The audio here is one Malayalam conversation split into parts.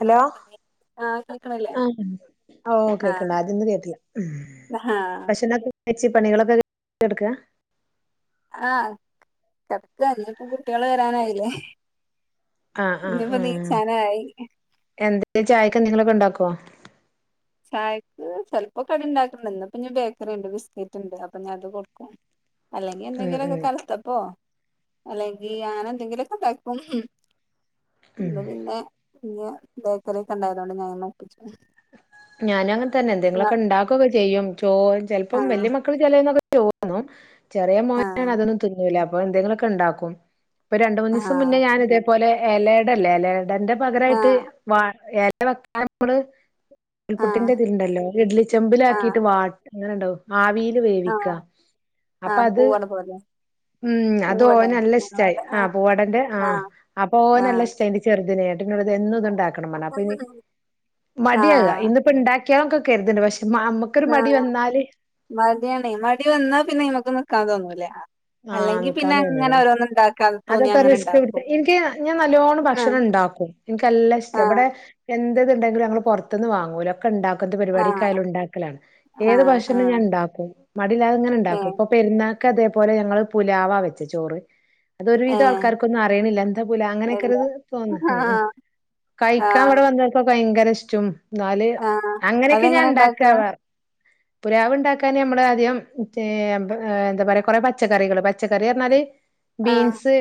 ആഹ് പറയ് ആഹ് കേക്കണില്ലേ ആ ഓ ആഹ് കേക്കണ്ട് ആദ്യൊന്നും കേട്ടില്ല ഊം ആഹ് പക്ഷേ എന്നാത്ത് എച്ചി പണികളൊക്കെ എടുക്കാ ആ കെടക്ക അതിനിപ്പം കുട്ടികള് വരാനായില്ലേ അ ആ ഇനിയിപ്പോ ആ നീച്ചാനായി എന്ത് ചായക്ക് ഏന്തെങ്കിലൊക്ക ഒണ്ടാക്കുവോ ചായക്ക് ചെലപ്പോ കടി ഇണ്ടാക്കി ഇന്ന് ഇനിപ്പ ബേക്കറി ഇണ്ട് ബിസ്ക്കറ്റ് ഇണ്ട് അപ്പം ഞാൻ അത് കൊടുക്കും അല്ലെങ്കി ഉം ഉം എന്തെങ്കിലൊക്കെ കൽത്തപ്പോ അല്ലെങ്കി അങ്ങനെ എന്തെങ്കിലൊക്കെ ഉണ്ടാക്കും ഉം ഉം പിന്നെ പിന്നെ ബേക്കറി ഒക്കെ ഉണ്ടായതൊണ്ട് ഞാൻ തന്നെ ഒപ്പിച്ചു ഞാനും അങ്ങൻത്തന്നെ എന്തെങ്കിലൊക്കെ ഒണ്ടാക്കു ഒക്കെ ചെയ്യും ചോ ചെലപ്പം ആഹ് വലിയ മക്കൾ ചെലേന്നൊക്കെ തോന്നണം ചെറിയ മോനാണ് ആഹ് അതൊന്നും തീന്നൂല്ല അ അപ്പൊ എന്തെങ്കിലൊക്കെ എണ്ടാക്കും ഒരു രണ്ട് മൂന്ന് ദിസം മുന്നേ ആഹ് ഞാൻ ഇതേ പോ തുപോലെ എലട ഇല്ലേ എല എന്റെ ആഹ് പകരായിട്ട് വ [inaudible] ഈ പുട്ടിന്റെ ആഹ് ഇതിലിണ്ടല്ലോ ഇഡലി ചെമ്പിലാക്കിട്ട് ആഹ് വാട്ട് അങ്ങനെ ഉണ്ടോ ആവീൽ വേവിക്ക ആഹ് അപ്പ ആഹ് അത് പൂവടെ പോലെ ഉം അത്‌ പൂവടെ ഓൻ നല്ല ഇഷ്ടമായി ഞങ്ങളവിടെ ആ ആഹ് പൂവടന്റെ ആ അപ്പൊ ഓന നല്ല ആഹ് ഇഷ്ടമായിന്റെ ചെറുതിനെ കുട്ടിന്നോട് എന്നും ഇത്‌ണ്ടാക്കണം പറഞ്ഞു അപ്പ ഇനി ആഹ് അടിയല്ല ഇന്ന് ഇപ്പൊ ഉണ്ടാ പഷേ ആ മടിയാണ് മടി വന്നാ പിന്നെ നമ്മക്കൊന്നും കതോന്നൂല്ല ആഹ് നിക്കാൻ തോന്നുല്ലേ ഇണ്ടാക്കാൻ തോന്നിയാ അതൊക്കെ അങ്ങനെ റിസ്ക് പിടുച്ച ഇണ്ടാക്കും. എനിക്ക് ഞാൻ നല്ലോണം ആഹ് ഭക്ഷണം ഇണ്ടാക്കും എനിക്കല്ലാം ഇഷ്ട ഇവിടെ എ അതുണ്ടെങ്കിലും ഞങ്ങള് പുറത്തുനിന്ന് വാങ്ങൂല ഇണ്ടാക്കത്തു ആഹ് പരിപാടിക്കായാലും ഇണ്ടാക്കലാണ് ഏത് ആഹ് ആഹ് ഭക്ഷണം ആഹ് ഞാൻ ഇണ്ടാക്കും മടിയില്ലാതെ ഇങ്ങനെ ഇണ്ടാക്കും ഏഹ് ഇപ്പൊ പെരുന്നാ [inaudible] അതുപോലെ ഞങ്ങൾ പുലാവ വെച്ച് ചോറ് അതൊ ഒരുവിധം ഏഹ് ആൾക്കാർക്കൊന്നും അറിയണില്ല എന്താ പുലാ ഇല്ല അങ്ങനെയൊക്കെരുത് തോന്നുന്നു ഉം ഉം ആഹ് കഴിക്കാൻ ഇവിടെ ആഹ് വന്നപ്പോ ഭയങ്കര സ്റ്റും എന്നാൽ ആഹ് അങ്ങനെയൊക്കെ ഞാൻ അതെങ്ങനെ ഇണ്ടാക്കാ? ഇണ്ടാക്കാവാറ് പുലാവ് ഇണ്ടാക്കാൻ നമ്മളെ ആദ്യം മറ്റേ എന്താ പറയാ കുറെ പച്ചക്കറികള് പച്ചക്കറി പറഞ്ഞാല് ആഹ് ബീൻസ്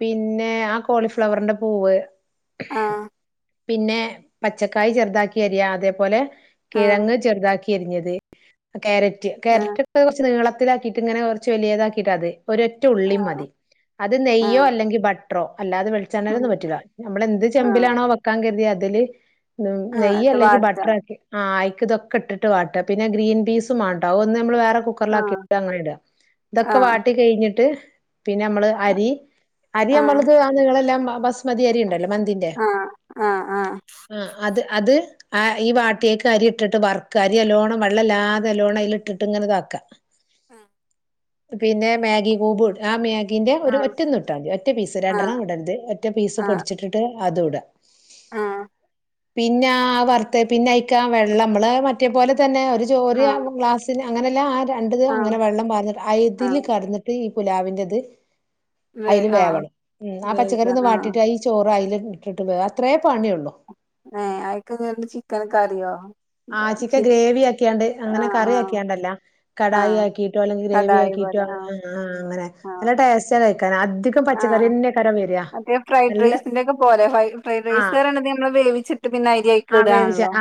പിന്നെ ആ കോളിഫ്ലവറിന്റെ പൂവ് ആഹ് പിന്നെ പച്ചക്കായി ചെറുതാക്കി അരിയ അതേപോലെ ആഹ് കിഴങ്ങ് ചെറുതാക്കി എരിഞ്ഞത് ക്യാരറ്റ് ആഹ് ക്യാരറ്റ് ഇപ്പൊ കുറച്ച് നീള നീളത്തിൽ ആക്കിട്ടു ഇങ്ങന ചോലിയതക്കിട്ട് അത്‌ ഒരൊറ്റ ഉള്ളി ആഹ് മതി അത് നെയ്യോ ആഹ് അല്ലെങ്കിൽ ബ ട്രോ അല്ലാതെ ഉം വെളിച്ചെണ്ണേലൊന്നും പറ്റൂല നമ്മളെന്ത് ആഹ് ചെമ്പിലാണോ വെക്കാൻ കരുതിയെ [inaudible] [unintelligible] തിൽ ഉം ആഹ് ഇട്ട് നെയ്യല്ലെങ്കിൽ വാട്ടാ ബട്ടറാക്കി ആ [inaudible] ഇതൊക്കെ ഇട്ടിട്ട് വാട്ട പിന്നെ ഗ്രീൻ പീസും മാണ്ട ഒന്ന് നമ്മൾ [inaudible] [inaudible] കുക്കർല [inaudible] ആഹ് ക്കിട്ട അങ്ങനെ ഇട ഇതൊക്കെ ആഹ് വാട്ടികഴിഞ്ഞ് [inaudible] ട്ട് പിന്നെ നമ്മള് അരി അരി ആഹ് നമ്മൾത് [inaudible] കളെല്ലാം ബസ്മതിയരിയ്ണ്ടല്ലോ മന്തിന്റെ ആഹ് ആഹ് ആഹ് ആ അത് അത് ആ ഈ വാട്ടിയേക്ക് അരി ഇട്ടിട്ട് വർക്ക അരിയല്ലോണം വെള്ളല്ലാതെ അല്ലോണം അയില് ഇട്ടിട്ട് ഇങ്ങനെതാക്കാ ആഹ പിന്നെ മാഗി കൂബിട് ആ മാഗി ഇതിന്റെ ഒരു ആഹ് ഒറ്റൊന്ന്ട്ടാ [unintelligible] ഒറ്റ പീസ് ആഹ് ആഹ് രണ്ടെണ്ണം ഇടര്ത് ഒറ്റ പീസ് പൊടിച്ചിട്ടിട്ട് അതൂട ആഹ പിന്നെ ആ വർത്തെ പിന്നെ അയിക്കാ വെള്ളമ്മള് മറ്റേ പോലെ തന്നെ ആഹ് ഗ്ലാസിന് അങ്ങനെ ആ രണ്ട്ത് അങ്ങനെ ആഹ് വെള്ളം പാർന്ന് ആഹ് അയ്തില് കടന്നിട്ട് ഈ പുലാവിന്റത് വേ അയില് ആഹ് വേവണ ഉം ആ പച്ചക്കറി വേഗം ഒന്ന് ആഹ് വാട്ടിട്ട് ഈ ചോറ് അയിൽ ഇട്ടിട്ട് അത്രയേ പണിയൊള്ളൂ ഏ അയിക്ക് ചിക്കൻ കറിയോ ആച്ചിക്ക ചി [unintelligible] ഗ്രേവി ആക്കിയാണ്ട് അങ്ങനെ ആഹ് ആഹ് കറിയാക്യാണ്ടല്ല കടായി ആഹ് ആക്കിയിട്ടോ അല്ലെങ്കിൽ ഗ്രേവി കടായി പോലെ ആക്കിട്ടോ ങ്ങനെ നല്ല ടേസ്റ്റ് ണ് ആ റ്റേ ഫ്രൈഡ് നല്ല റൈസിന്റെ ഒക്കെ പോലെ ഫ്രൈഡ് ആ റൈസ് നമ്മള് വേവിച്ചിട്ട് പിന്നെ അരി അയ്ക്കിടാണല്ലോ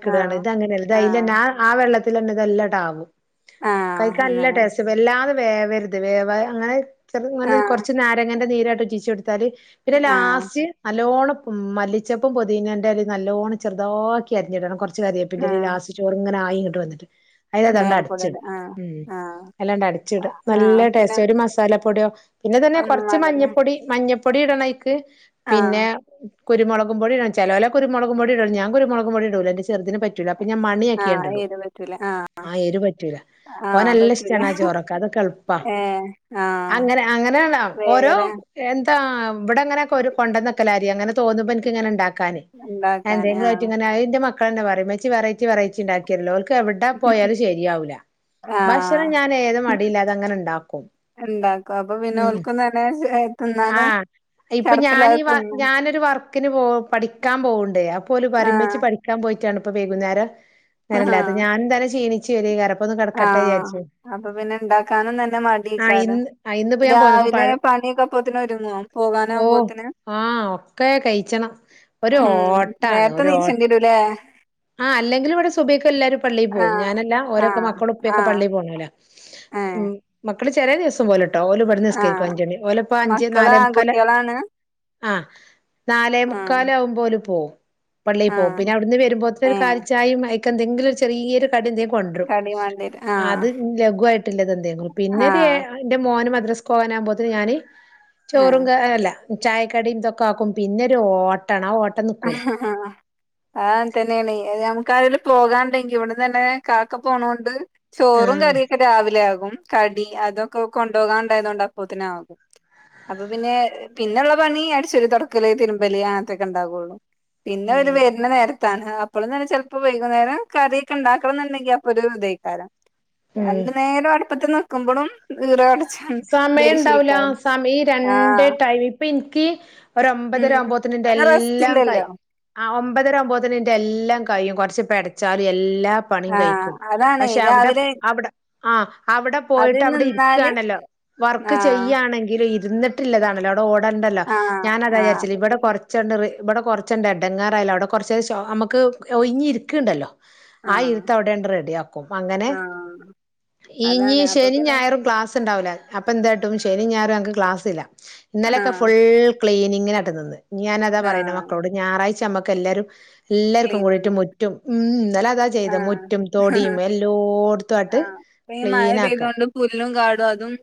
ക്ക്ടാണ് ഇത്ങ്ങനെയല്ല ഇതയിലെന്നെ ആ ആ വെള്ളത്തിലെന്നെ ഇതെല്ല ട്ടാവും ആഹ് കഴിക്കാ ല്ല അങ്ങനെ ടേസ്റ്റ് വല്ലാതെ വേവരുത് വേവ അങ്ങനെ ആഹ് കുറച്ച് നാരങ്ങന്റെ നീര് [unintelligible] പിന്നെ ആഹ് ലാസ് നല്ലോണ്ണം മല്ലിച്ചപ്പും പൊതീനന്റെലേം നല്ലോണ്ണം ചെറുതാക്കി അരിഞ്ഞിടണം കുറച് ര്യപ്പിന്റെലിം ആഹ് ലാസ്റ്റൊടംങ്ങനെ ആ അയിട്ട് വന്ന്ട്ട് മേലക്കൂടെ ഇടാ അയിലാതാണ്ടടച്ചിടാ ആഹ് മ് ആഹ് അയ്ലാണ്ട് അടച്ചിട നല്ല ആഹ് പിന്നെ ടേസ്റ്റ ഒരു മസാലപ്പൊടിയോ പിന്നെതന്നെ ഒന്നും കുറച്ച് വേണ്ടല്ലേ മഞ്ഞപ്പൊടി മഞ്ഞപ്പ് പൊടിയിടണൈക്ക് പിന്നെ ആഹ് മ് കുരുമുളക് പൊടി ഇടണം ചെലോലാ കുരുമളക്പൊടി ഇടു ഞാനാ കുരുമുളക്പൊടി ഇടൂല ന്റെ ചെ ചെർതിന് പറ്റൂല്ല അ ഞാൻ ആഹ് മണിയാക്കിയാണ്ടിടും എരു പറ്റൂല ആഹ് ആ എരു പറ്റൂല ആഹ് പറ്റൂല ഓനല്ലഷ്ട്ടാണ് ആ ചോറക്ക അതൊക്കെ എൾപ്പ ഏഹ് ആഹ് അങ്ങനെ അങ്ങനെയ ഓരോ വേഗല്ലേ യെൻ ആ ഇവിടെങ്ങനെക്കൊരു കൊണ്ടന്നക്കലാരി അങ്ങനെ തോന്നുമ്പോന്ക്ക്ങ്ങനെ ണ്ടാക്ക ഇണ്ടാക്കാന് ആഹ് ഞാനെന്തെങ്കിലുമായിട്ടിങ്ങനെ അയിന്റെ മക്ക മക്കളെന്നെ പറിം മ്മച്ചി വെറൈറ്റി വറൈറ്റിണ്ടാക്കിയല്ലോ എവിടാ പോയാലും ശരിയാവൂല്ല ഭക്ഷണം ആഹ് ഞാൻ ഏത് മടിയില്ലാതങ്ങനെ ഇണ്ടാക്കും ഇണ്ടാക്കും അപ്പൊ പിന്നെ മ് ഓൽക്കും തന്നെ ആ തിന്നാനും ഇപ്പൊ ഞാന് ചടപ്പിലത് വ തിന്നും ഞാനൊരു വർക്കിന് പോ പഠിക്കാൻ പോവ്ണ്ട് അപ്പോല് പറയും ആഹ് മ്മച്ചി പടി ക്കാൻ പോയിട്ടാണ് ഇപ്പൊ വൈകുന്നാരം ആഹ് അങ്ങനല്ലത് ഞാൻ തന്നെ ക്ഷീണിച്ച് വരേക്കാരും അപ്പൊന്ന് കടക്കട്ടെ ന്ന് ആഹ് യാരിച്ചും അപ്പൊ പിന്നെ ഇണ്ടാക്കാനും തന്നെ ആ മടിയേക്കാരം ഇന്ന് ആ ഇന്ന്പ്പോ ഞാൻ പോന്നപ്പ രാവിലെ പഴ പണിയൊക്കെ അപ്പോത്തിന് ഒരുങ്ങോ ഓ പോകാനാവുമ്പോത്തിന് ആ ഒക്കെ കൈ ഉം നേരത്തെ നീച്ചണ്ടിരൂല്ലേ ആ അല്ലെങ്കിൽ ബടെ സുബൈക്കെല്ലാരും പള്ളിൽ പോവും ആഹ് ഞാനല്ല ഓരോക്കെ ആഹ് മക്കളും ഇപ്പായൊക്കെ ആഹ് പള്ളിൽ പോണോല്ല [inaudible] ഏഹ് ഉം മ അവി ചേലെ ദിവസം പോലെ കേട്ടോ ഓല ഇബ്ട്ന്ന് നിസ്കേരിക്കും ആഹ് അഞ്ച മണി ഓലപ്പ അഞ്ച് മക്കള് നാലെമുക്കല ആൺകുട്ടികളാണ് [inaudible] ആ നാലേ ആഹ് മുക്കാലാകുമ്പോ ഓല് പോകും ആഹ് പള്ളിപോവും അവിന്ന് വരുമ്പോത്തിനൊരു ഏഹ് കാലി ചായേം മ അയിക്കെന്തെങ്കിലും ചെറിയൊരു ടിന്തേലും കൊണ്ടൊരും കടി വാണ്ടിയരും അത് ആഹ് ലഘു ആയിട്ടുല്ലത് ന്തേകിലും പിന്നെ എ ആഹ് ന്റെ മോനും ഇസ്കൂലോകുമ്പോത്തിന് ഞാന് ചോറും ക അല്ല ചായക്കടിംതൊക്കെ ആക്കും പിന്നൊരു ഓട്ടണ് ആഓ ഹഹഹാ ആ ങ്ങനെതന്നെയാണെ ഞമ്മക്കാരെലും പോകാണ്ടെങ്കി ഇവിട്ന്നെന്നെ കാക്ക പോണൊണ്ട് ചോറും ആഹ് കറിയൊക്കെ രാവിലെ ആകും കടി അതൊക്കെ കൊണ്ടോകാണ്ടായതോണ്ട് അപ്പോതിനാകും അപ്പൊ പിന്നെ പിന്നെള്ള പണി അടിച്ചോരി തൊടക്കല് തിരുമ്പല് അങ്ങൻത്തൊക്കെണ്ടാവുള്ളൂ [unintelligible] പിന്നെ ഉം ഓല് വര്ന്ന നേരത്തെ ത്താൻ അപ്പളും തന്നെ ചെലപ്പോ വൈകുന്നേരം കറിയൊക്കെ ണ്ടാക്കണംന്ന്ണ്ടെങ്കി അപ്പൊരു തെയ്ക്കാരം ഉം രണ്ട് നേരോം അടുപ്പത്തിന്ന് ക്ക്മ്പൊഴും ഈറ ഒടച്ചാണ് സമയണ്ടാവൂല ദേഷ്യേക്കാരം സമയീ രണ്ട്‌ ആഹ് ടൈമ് പ്പിൻക്ക് ഉം ഒരൊമ്പതരാവുമ്പോത്തിന് ഒരു റെസ്റ്റ് ന്റെല്ലാ [unintelligible] ഇല്ലല്ലോ മ്പതരാവ്മ്പോത്തിനിന്റെല്ലാം കഴിയും കൊർച്ച് പെടച്ചാലും എല്ലാം എല്ലാ പണിയും ആഹ് കഴിക്കും അതാണേ പക്ഷെ അവിടെ രാവിലെ അവിടെ ആ അവിടെ അത് പോയിട്ട് അവിടെ നിന്നാല് ഇരിക്കാണല്ലോ വർക്ക് ആഹ് ചെയ്യാണെങ്കിൽ ഇരുന്നിട്ടില്ലതാണല്ലോ വടെ ഓടണ്ടല്ലോ ആഹ് ഞാനതാ ആഹ് വിചാരിച്ചല് അപ്പൊ ഇവിടെ പിന്നെ കുറച്ചൊക്കെ ഇവിടെ കുറച്ചണ്ട് എടങ്ങാറായാലും അവിടെ കുറച്ച് നമുക്ക് ഒഴിഞ്ഞിരിക്ക്ണ്ടല്ലോ ആ ആഹ് ഇരുത്തം അവിടെണ്ട് റെഡിയാക്കും അങ്ങനെ ആഹ് ഇഞ്ഞി അതാണ് അപ്പൊ ശനിം പിന്നെ ഞായറും ക്ലാസ് ഇണ്ടാവില്ല അപ്പ എന്താ കിട്ടും ശനിം ഞായറും ഞങ്ങക്ക്‌ ക്ലാസ്സില്ല ഇന്നലെയൊക്കെ ആഹ് ഫുൾ ക്ലീനിങ്ങിനായിട്ടു നിന്നെ ഞാനതാ പറയണെ ആഹ് മക്കളോട് ഞായറാഴ്ച ഞമ്മക്ക്- എല്ലാരും എല്ലാർക്കും കൂടീട്ട് ക്ലീനിങ് മുറ്റും ഉം ഇന്നലെ അതാ ചെയ്തെ ആഹ് മുറ്റും തൊടിയും എല്ലോടത്തുംമായിട്ട് ആഹ് ഇപ്പ ഈ മഴ ക്ലീൻ ആക്കാൻ പെയ്തോണ്ട് പുല്ലും കാടും അതും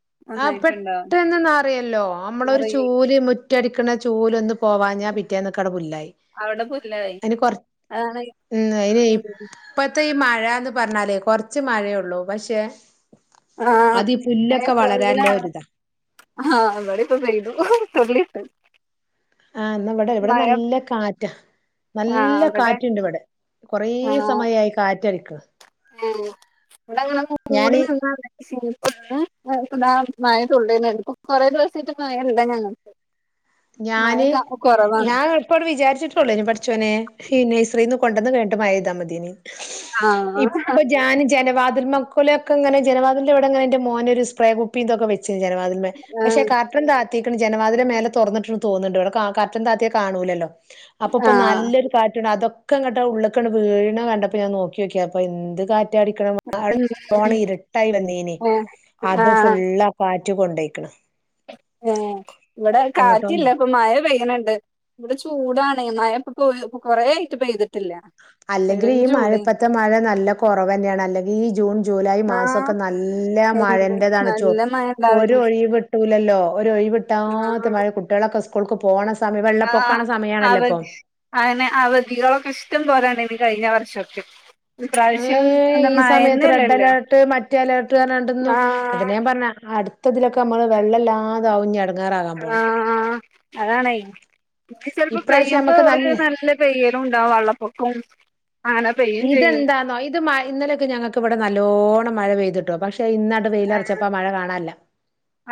ആ ഒന്നായിട്ടുണ്ടാവും പെട്ടെന്ന് നറയുല്ലോ നമ്മളൊരു അറിയേ ചൂല് മുറ്റടിക്ക്ണ ചൂല് ഒന്ന് പോവാഞ്ഞാ പിറ്റേന്നക്കവടെ പുല്ലായി അവിടെ പുല്ലായി അയിനെ കൊറ അതാണ് എപ്പത്തെ ഈ മഴയ് - മഴാന്ന് പറഞ്ഞാല് കൊറച്ച് മഴയൊള്ളൂ പക്ഷെ- ആ അത് ഈ പുല്ലൊക്കെ വളരാല്ലേ ഒരിത ആ അവിടെ ഇപ്പൊ പെയ്തു തെള്ളിയിട്ട് ആഹ് ന്നാ ഇവടെ ഇവിടെ നല്ല കാറ്റാ ആഹ് നല്ല അവിടെ കാറ്റ്ണ്ട് ഇവടെ കൊറേ ആഹ് സമയായി കാറ്റടി ഏഹ് ഇവിടെ അങ്ങനെ മൂടി ഞാന് നിന്നാ [unintelligible] ഇപ്പ ഇന്ന് ഇപ്പതാ മഴ തുള്ളിയിടണണ്ട് ഇപ്പൊ കൊറെ ദിവസായിട്ട് മഴ ഇല്ല ഞങ്ങൾക്ക് ഞാന് ഞാൻ ഇപ്പോങ്ങട് വിചാരിച്ചിട്ടേള്ളൂ ഇനി പടിച്ചോനെ [unintelligible] നെയ്സറീന്ന് കൊണ്ടന്ന് കയ്ഞ്ഞിട്ട് മയ പെയ്താ മതിയേനി ആഹ് ഇപ്പൊ ജാൻ ജനവാത് [unintelligible] ജനവാതിൽന്റെവിടെങ്ങനെ എന്റെ മോന് ഒരു സ്പ്രേ കുപ്പീ തൊക്കെ വെച്ച് ജനവാതിൽമെ ആഹ് പക്ഷെ കർട്ടൻ താത്ത് ത്തിക്കണ് ജനവാതില് മേലെ തൊറന്നിട്ടണ് തോന്നുന്ന്ണ്ട് ഇവടെ കർട്ടൻ താത്തിയാ കാണൂലല്ലോ അപ്പൊ ഇപ്പൊ ആഹ് നല്ലൊരു കാറ്റുണ്ട് അതൊക്ക് ഒക്ക ഇങ്ങട്ട് ഉള്ള്ക്കണ് വീഴണ കണ്ടപ്പോ ഞാൻ നോക്കി നോക്കീതാ അപ്പ എന്ത് കാറ്റ് റ്റാ അടിക്കണ് [unintelligible] ഉം നല്ലോണം ഇരുട്ടായി വന്നീനി ഏഹ് അത് ആഹ് ഫുള്ളാ കാറ്റ് റ്റ് കൊണ്ടയ്ക്കണ് ഏഹ് ഇവിടെ കാറ്റില്ല എങ്ങോട്ടോന്ന് ഇപ്പൊ മഴ പെയ്യണണ്ട് ഇവിടെ ചൂടാ ആണ മയ [unintelligible] ഇപ്പൊ കൊറേ ആയിട്ട് പെയ്ത് അല്ലെങ്കിൽ ഈ മഴ ഇപ്പത്തെ മഴ നല്ല കുറവ് തന്നെയാണ് അല്ലെങ്കി ഈ ജൂൺ ജൂലൈ ആഹ് മാസൊക്കെ നല്ല എന്ത് മഴന്റേതാണ് ചു നല്ല മഴ ഒരു ഇണ്ടാവല് ഒഴിവ് വിട്ടൂലല്ലോ ഒരു ഒഴിവിട്ടാതെ ആഹ് മഴ കുട്ടികളൊക്കെ സ്കൂൾക്ക് പോണ സമയം വെള്ളപ്പൊക്കാണ ആഹ് അവ സമയാണല്ലോ ഇപ്പം അങ്ങനെ അവധികളൊക്കെ ഇഷ്ടം പോരാ കഴിഞ്ഞ വർഷൊക്കെ ഇപ്രാവശ്യം ഏയ് എന്താ ഈ സമയത്ത് റെഡ് മഴന്നെല്ലല്ലോ അലേർട്ട് മറ്റേ അലേർട്ട് പറഞ്ഞോണ്ടെന്നും അതിനെ ആഹ് ഞാൻ പറഞ്ഞ അ ട്ടതിലൊക്കെ നമ്മള് വെള്ളലാ അതവിഞ്ഞാടും ങ്ങേറാകാൻ പോണ് ആഹ് അതാണേ ഇനി ചെലപ്പോ പെയ്യുമ്പൊ ഒരു നല്ല പെയ്യലും ഉണ്ടാവും വെള്ളപ്പൊക്കോം അങ്ങനെ പെയ്യോം ചെയ്യും വിടെ നല്ലോണ്ണം മഴ പെയ്തിട്ടോ പക്ഷെ ഇന്നാട്ട് ആഹ് വെയിലറച്ചപ്പോ മഴ കാണാല്ല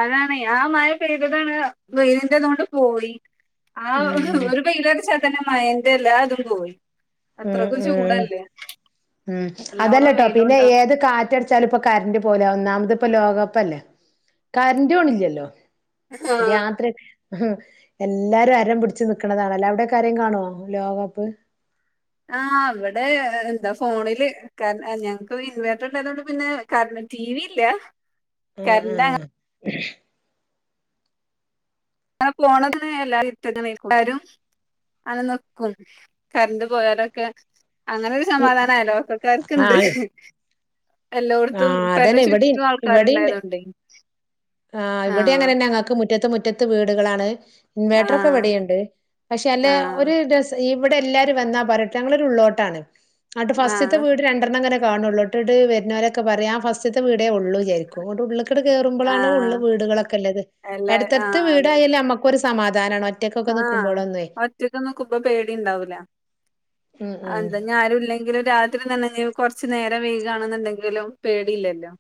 അതാണ് ആഹ് മഴ പെയ്തതാണ് പെയ്തതിന്റെണ്ട് പോയി ആഹ് ഉം ഒരു വെയിലോ തന്നെ മയെന്റെല്ലാതും പോയി ഉം അത്രക്ക് ചൂടാ ഉം അല്ലേ ഉം അതല്ലട്ടോ പിന്നെ ഏത് കാറ്റടിച്ചാലും ഇപ്പ കരണ്ട് പോവൂല ഒ ന്ന് ഇപ്പോ ലോകകപ്പല്ലേ കറണ്ടും ഇല്ലല്ലോ രാത്രിക്ക് എല്ലാരും ഹരം പിടിച്ച് നിക്കണതാണല്ലേ അവിടെയൊക്കെ ആരേലും കാണുവോ ലോകകപ്പ് ആ അവിടെ എന്താ ഫോണില് കാണും ഞങ്ങക്ക് ഇൻവേർട്ടർ ഉണ്ടായത് കൊണ്ട് പിന്നേ കറന്റ് റ്റീ വി ഇല്ല കറന്റ് ആണോ അങ്ങനെ ഫോണെടുത്ത് എല്ലാരുടെയും അടുത്തോട്ട് വരും അങ്ങ് നിൽക്കും കരണ്ട് പോയാലൊക്കെ അങ്ങനെരു സമാധാനം ആഹ് അയലോക്കകാർക്കുണ്ട് ആഹ് എല്ലായിടത്തും ആഹ് പെരേടെ അതന്നെ ഇവിടേം ചുറ്റും ഇവിടേണ്ട് ആൾക്കാരുണ്ടായതൊണ്ടേ ആ റ്റത്ത് മുറ്റത്ത് വീടുകളാണ് ആ ഇൻവേർട്ടർ ഒക്കെ ഇവിടെയുമുണ്ട് പക്ഷെ അല്ല ആ ഒരു രസ ഈ ഇവിടെ എല്ലാവരും വന്നാ പറയട്ടെ ഞങ്ങളൊരു ഉള്ളിലോട്ടാണ് അന്നിട്ട്‌ ആ ഫസ്റ്റിലത്തെ വീട് രണ്ടെണ്ണം അങ്ങനെ കാണുള്ളോട്ടോ [unintelligible] വരുന്നവരൊക്കെ ഇക്ക പറയാ ആ ഫസ്റ്റിലത്തെ വീടെ ഉള്ളു വിചാരിക്കും അങ്ങോട്ട്‌ ഉള്ളി ക്കട് ആ കേറുമ്പളാണ് ആ ഉള്ള് വീടുകളൊക്കെള്ളത് എല്ലാ എട്ത്തട്ത്ത് വീടായാല് അമ്മക്കൊര് സ് സമാധാനമാണ്ോ ആഹ ഒറ്റക്ക നക്കുമ ഇ്പ പേടി ഉണ്ടാവൂല ഉം ഉം എന്താ ഞാനും ഇല്ലെങ്കും രാത് അന്ന കൊറച്ചു നേരം വൈകുകയാണെന്നുണ്ടെങ്കിലും പേടിയില്ലല്ലോ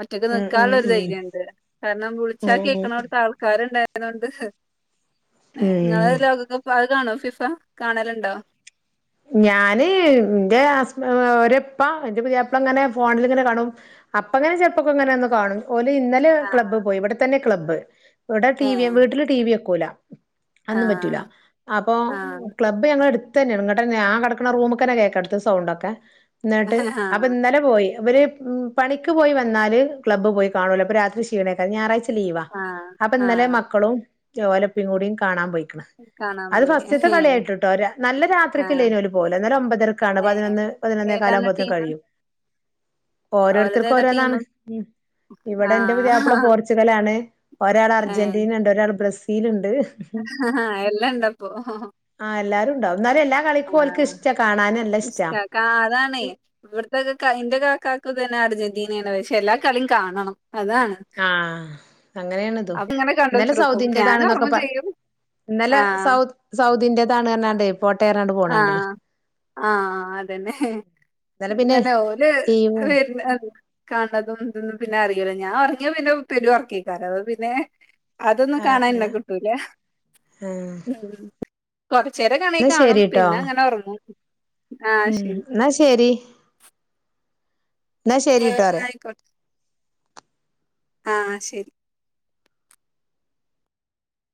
മറ്റൊക്ക്െ ഉം ഉം നൽക്കാനുള്ള ഒരു ധൈര്യ ഉം ഉണ്ട് കാരണം വിളിച്ചാ ഉം കേക്കണ അടടുത്തെ ആൾക്കാരുണ്ടായി അണ്ട് ഉം നിങ്ങള ഉം ലോകൊക്കെ കാണോ ഫിഫ കാണലുണ്ടോ ഞാന് എന്റെസ് ഒപ്പാ എന്റെ പുതിയപ്പള അങ്ങനെ ഫോണിലിങ്ങനെ കാണും അപ്പ ഇങ്ങനെ ചെറപ്പൊക്കെ ഇങ്ങനെ ഒന്ന് കാണും ഓല ഇന്നലെ ആ ക്ലബ് പോയി ഇവിടെ തന്നെ ക്ലബ് ഇവിടെ ടി ഏ വിിയ വീട്ടില് ടി വി ഒക്കെ ക്കല ആ അന്നും പറ്റൂല അപ്പൊ ആ ക്ലബ്ബ് ഞങ്ങ എടു ത ഞങ്ങൾ അെ ആ കിടക്ക റൂമക്കന്നെ കേൾക്കടുത്ത് സൗണ്ട് ഒക്കെ എന്നിട്ട് ആ അപ്പൊ ഇന്നലെ പോയി ഇവര് പണിക്ക് പോയി വന്നാല് ക്ലബ പോ കാണലോ അപ്പൊ രാത്രി ശീണക്കാ ഞായറാ്ച ലീവാ അപ്പൊ ആ ആ ഇന്നലെ മക്കളും ജോലപ്പും കൂടിും കാണാൻ പോയി കാണാൻ അത് പോയി ഫസ്്യത്തെ ഏ കളിയായിട്ട്ട്ടോ നല്ല രാത്രി ആ ആ്രിക്ക ലൈന് പോല പോില്ല എന്നാലും ഒമ്പതർക്കാണ് ഏ പതിനൊന്ന് പതിനൊന്ന ഏതാണ് കാലകുമോത്തേും ടീമ്? കഴിയും ഓരോരുത്തർക്കും ഓലതേതാ ഓരോന്നാണ് ടീമ്? ഉ ഇവിടെ ആ എന്റെ പുതപ്പുള്ള പോർച്ചുഗൽ ആാണ് ഒരാൾ അർജന്റീന ഉണ്ട് ഒരാൾ ബ്രസീൽ സീലുണ്ട് ആ എല്ലാം ഇണ്ടപ്പൊ ആഹ് എല്ലാരും ഉണ്ടാവും എന്നാലും എല്ലാ ആ കളിക്കും ഓൽക്ക് ഇഷ്ടാ കാണാന് നല്ല ഇഷ ഇഷ്ടാ അതാണ് ഇവിടത്തക്കെ എന്റെ ക തനാർജദീനയുടെ പക്ഷെ എല്ലാ കളിയും കാണണം ആഹ അപ്പ ഇങ്ങനെ കണ്ടെത്തിടുക്കും ഞാനും ഓർമ്മ സൗദിന്റേതാണെന്നൊക്കെ പ ചെയ്യും ഇന്നലെ ആഹ സൗ സൗദിന്റേതാണ് പറഞ്ഞാണ്ടേ പോട്ടെ പറഞ്ഞാണ്ട് പോണ ആഹ കണ്ട്ണ് ആഹ അതന്നെ ഇന്നലെ പിന്നെ അങ്ങനെ ഓര് ലീവും വര കണ്ടതും ഇതൊന്നും പിന്നെ അറല്ല ഞാൻ പററങ്ങ പിന്നെ പെ ഉറക്കാ അല്ലെ അതൊന്നും ആഹ് കാണൻന്റെ ആഹ് കുട്ടൂല ആഹ് ഉ കൊറച്ചേരെ കണ എന്നാ കാണും ശരിട്ടോ പിന്നെ അങ്ങനെ ഉഓർമ്മു ഉം എന്നാ ശരി എന്നാ ആഹ് ശരിട്ടോ അറയാ ആയിക്കോട്ടെ ആഹ് ശെരി.